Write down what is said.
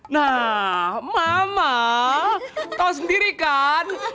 nah mama tahu sendiri kan